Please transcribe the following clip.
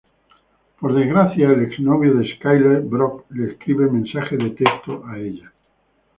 Por desgracia, el ex-novio de Skyler, Brock le escribe mensajes de texto a ella.